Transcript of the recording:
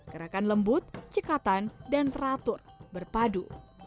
gerakan lembut cekatan dan teratur berpadu